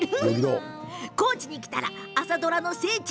高知に来たら朝ドラの聖地